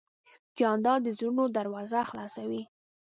جانداد د زړونو دروازه خلاصوي.